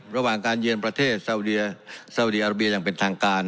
ระหว่างการเยือนประเทศซาวดีอาราเบียอย่างเป็นทางการ